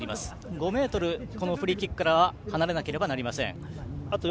５ｍフリーキックからは離れなければなりません。